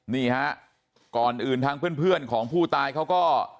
นี่ฮะก่อนอื่นทางเพื่อนของผู้ตายเขาก็